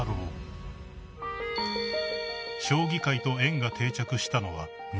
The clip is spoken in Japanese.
［将棋界と縁が定着したのは２００３年］